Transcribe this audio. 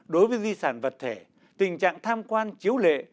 đối với di sản vật thể tình trạng tham quan chiếu lệ